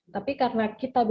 tapi karena kita beda